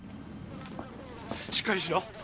しっかりしろ。